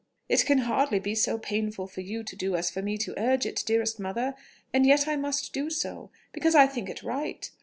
"It can hardly be so painful for you to do as for me to urge it, dearest mother; and yet I must do so ... because I think it right.